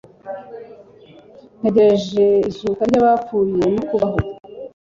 ntegerej'izuka ry'abapfuye n'ukubaho